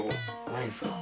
ないですか。